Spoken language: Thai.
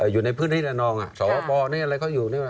อยู่ในพื้นที่นี่แหละนอง